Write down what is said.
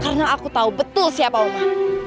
karena aku tahu betul siapa oma